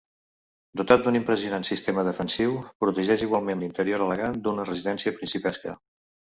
Dotat d'un impressionant sistema defensiu, protegeix igualment l'interior elegant d'una residència principesca.